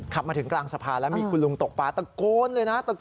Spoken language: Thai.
มาถึงกลางสะพานแล้วมีคุณลุงตกปลาตะโกนเลยนะ